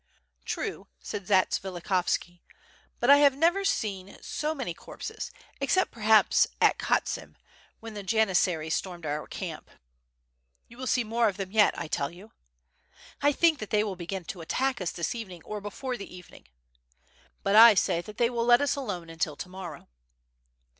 "True,^' said Zatsvilikhovski, *T3ut I have never seen so many corpses except perhaps at Khotsim, when the janis saries stormed our camp." "You will see more of them yet, I tell you." "I think that they will begin to attack us this evening, or before the evening.'* "But I say that they will let us alone until to morrow."